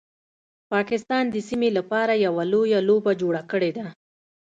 پاکستان د سیمې لپاره یو لویه لوبه جوړه کړیده